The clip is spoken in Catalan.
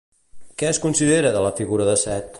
Què es considera de la figura de Set?